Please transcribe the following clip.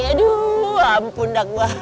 aduh ampun anak mbak